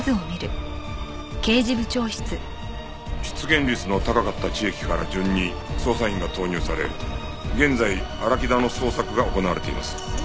出現率の高かった地域から順に捜査員が投入され現在荒木田の捜索が行われています。